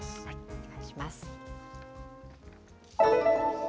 お願いします。